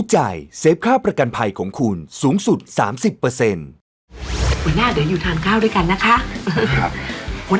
หัวหน้ากินเผ็ดได้ไหม